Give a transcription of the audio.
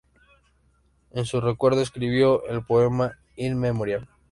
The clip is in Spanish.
En su recuerdo escribió el poema "In memoriam".